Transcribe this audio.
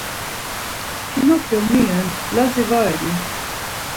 Pinokyo mi ren, Lazi va reni?